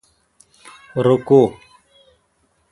رو کو?